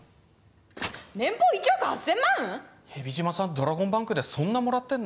ドラゴンバンクでそんなもらってんの？